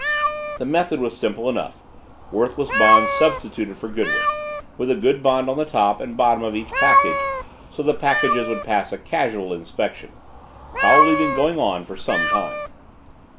The method was simple enough worthless bonds substituted for good ones with a good bond on the top and bottom of each package, so the packages would pass a casual inspection. Probably been going on for some time."